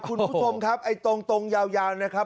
คุณผู้ชมครับไอ้ตรงยาวนะครับ